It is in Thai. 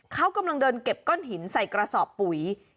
เขากำลังเดินเก็บก้อนหินใส่กระสอบปุ๋ย